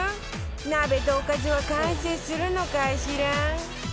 鍋とおかずは完成するのかしら？